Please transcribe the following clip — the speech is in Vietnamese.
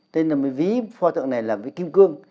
tên là cái ví pho tượng này là cái kim cương